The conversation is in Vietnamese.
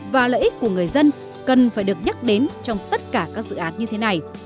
và lợi ích của người dân cần phải được nhắc đến trong tất cả các dự án như thế này